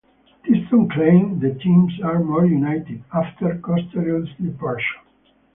Kitson claimed "the team are more united" after Cotterill's departure.